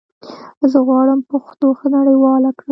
زه غواړم پښتو نړيواله کړم